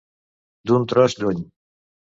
D'un tros lluny.